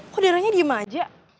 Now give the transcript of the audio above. kok daranya diem aja